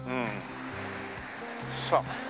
さあ。